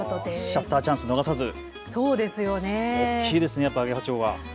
シャッターチャンス逃さずそうですよね、大きいですね、アゲハチョウは。